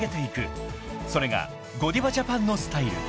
［それがゴディバジャパンのスタイル］